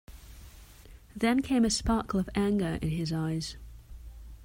Then came a sparkle of anger in his eyes.